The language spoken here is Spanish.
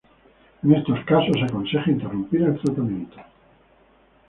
En estos casos se aconseja interrumpir el tratamiento.